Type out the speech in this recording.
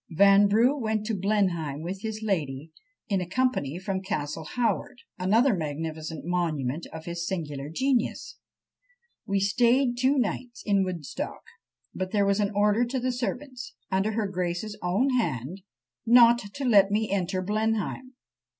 Vanbrugh went to Blenheim with his lady, in a company from Castle Howard, another magnificent monument of his singular genius. "We staid two nights in Woodstock; but there was an order to the servants, under her grace's own hand, not to let me enter Blenheim!